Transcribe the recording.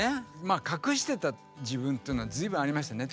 隠してた自分というのは随分ありましたね。